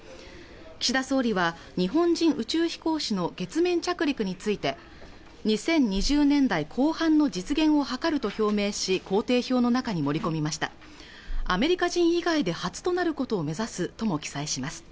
岸田総理は日本人宇宙飛行士の月面着陸について２０２０年代後半の実現を図ると表明し工程表の中に盛り込みましたアメリカ人以外で初となることを目指すとも記載します